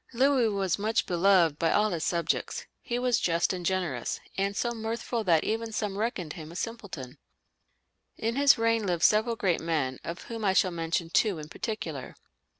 Louis was much beloved by all his subjects. He was just and generous, "and so mirthful that some even reckoned him a simpleton.'* In his reign lived several great men, of whom I shall mention two in particular.